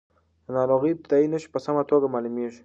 د ناروغۍ ابتدايي نښې په سمه توګه معلومېږي.